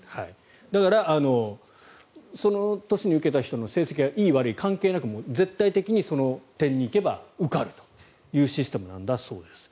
だからその年に受けた人の成績がいい悪い関係なく絶対的にその点に行けば受かるというシステムらしいです。